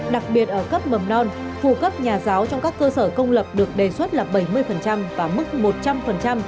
đặc biệt ở cấp mầm non phụ cấp nhà giáo trong các cơ sở công lập được đề xuất là bảy mươi và mức một trăm linh